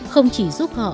không chỉ giúp họ